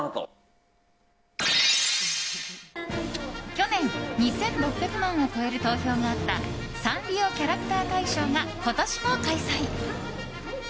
昨年、２６００万を超える投票があったサンリオキャラクター大賞が今年も開催。